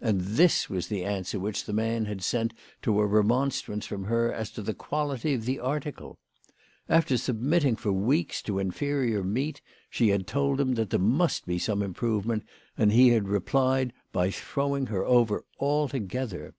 And this was the answer which the man had sent to a remon strance from her as to the quality of the article ! After submitting for weeks to inferior meat she had told him that there must be some improvement, and he had replied by throwing her over altogether